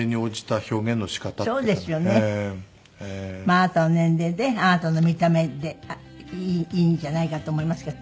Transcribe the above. あなたの年齢であなたの見た目でいいんじゃないかと思いますけど。